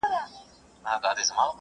موږ په ویب پاڼو کې کتابونه لولو.